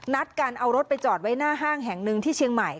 นัดกันเอารถไปจอดไว้หน้าห้างแห่งหนึ่งที่เชียงใหม่